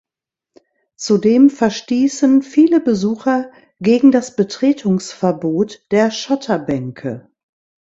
Zudem verstießen viele Besucher gegen das Betretungsverbot der Schotterbänke.